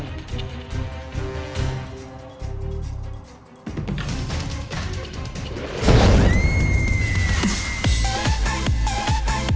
เสื้อยัน